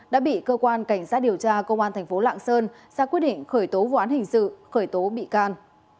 đã bị cơ quan cảnh sát điều tra công an thành phố lạng sơn ra quyết định khởi tố vụ án hình sự khởi tố bị can